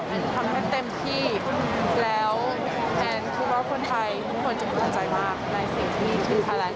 แอนทำให้เต็มที่แล้วแอนคือว่าคนไทยควรจะภูมิใจมากในสิ่งที่ที่ไทยแลนด์กำลังครับ